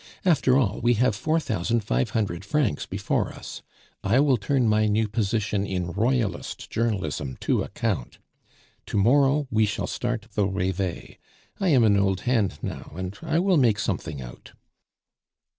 "After all, we have four thousand five hundred francs before us. I will turn my new position in Royalist journalism to account. To morrow we shall start the Reveil; I am an old hand now, and I will make something out."